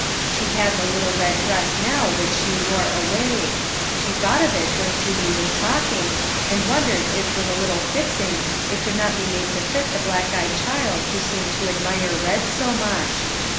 She had the little red dress now which she wore away. She thought of it when Susie was talking, and wondered if with a little fixing it could not be made to fit the black eyed child who seemed to admire red so much.